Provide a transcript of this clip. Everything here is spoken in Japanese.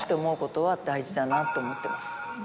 って思ってます。